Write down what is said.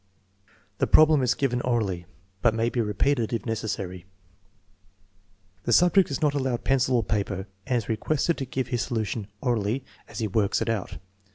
The problem is given orally, but may be repeated if necessary. The subject is not allowed pencil or paper and is requested to give his solution orally as he works it out.